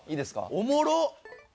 おもろっ！